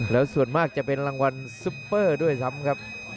แล้วส่วนมากจะเป็นรางวัลซุปเปอร์ด้วยซ้ำครับ